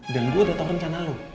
dan gue dateng ke rencana lu